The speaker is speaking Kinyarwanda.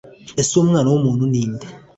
Ese uwo Mwana w'umuntu ni nde?»